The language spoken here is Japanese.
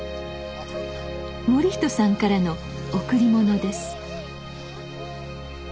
盛人さんからの贈り物です。